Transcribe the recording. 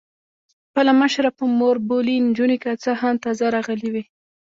خپله مشره په مور بولي، نجونې که څه هم تازه راغلي وې.